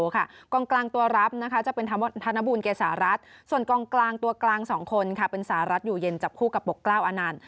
กองกลางตัวรับจะเป็นธนบูลเกษารัฐส่วนกองกลางตัวกลาง๒คนเป็นสหรัฐอยู่เย็นจับคู่กับปกกล้าวอานันต์